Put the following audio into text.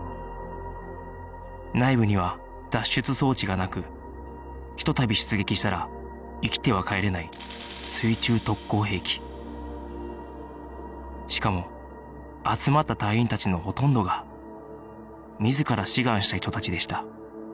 内部には脱出装置がなくひと度出撃したら生きては帰れない水中特攻兵器しかも集まった隊員たちのほとんどが自ら志願した人たちでした